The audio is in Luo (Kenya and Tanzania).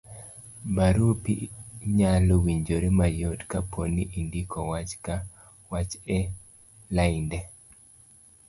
barupi nyalo winjore mayot kapo ni indiko wach ka wach e lainde